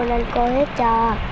nên cô hít cho